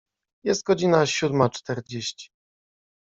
Jest godzina siódma czterdzieści.